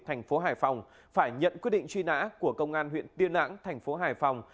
thành phố hải phòng phải nhận quyết định truy nã của công an huyện tiên lãng thành phố hải phòng